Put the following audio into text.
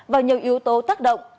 và nhiều yếu tố tác động